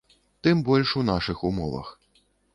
Тым больш у нашых умовах.